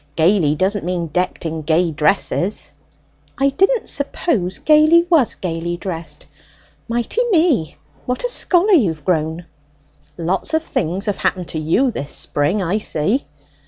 "Gaily doesn't mean decked in gay dresses." "I didn't suppose gaily was gaily dressed. Mighty me, what a scholar you've grown!" "Lots of things have happened to you this spring, I see."